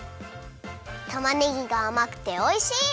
たまねぎがあまくておいしい！